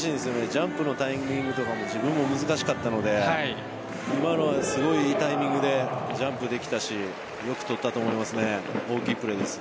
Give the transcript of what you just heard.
ジャンプのタイミングとかも自分も難しかったので今のは、すごいいいタイミングでジャンプできたしよく捕ったと思いますね大きいプレーです。